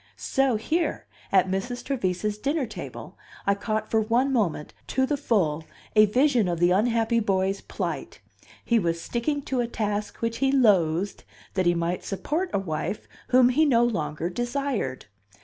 So here, at Mrs. Trevise's dinner table, I caught for one moment, to the full, a vision of the unhappy boy's plight; he was sticking to a task which he loathed that he might support a wife whom he no longer desired.